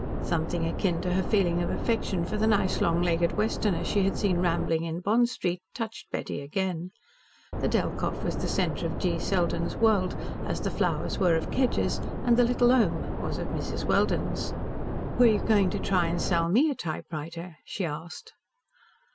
Something akin to her feeling of affection for the nice, long legged Westerner she had seen rambling in Bond Street touched Betty again. The Delkoff was the centre of G. Selden's world as the flowers were of Kedgers', as the "little 'ome" was of Mrs. Welden's. "Were you going to try to sell ME a typewriter?" she asked.